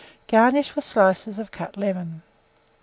Garnish with slices of cut lemon.